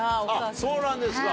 そうなんですか。